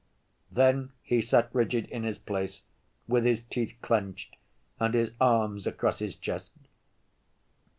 Then he sat rigid in his place, with his teeth clenched and his arms across his chest.